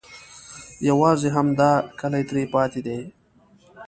یوازې همدا کلی ترې پاتې دی.